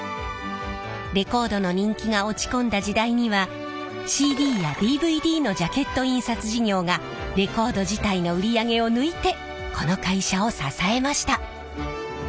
レコードの人気が落ち込んだ時代にはＣＤやＤＶＤのジャケット印刷事業がレコード自体の売り上げを抜いてこの会社を支えました。